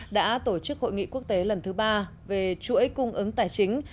đã tổ chức hội nghị quốc tế lần thứ ba về chuỗi cung ứng tài chính